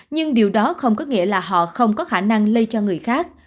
nhưng điều đó không có nghĩa là họ không có khả năng lây cho người khác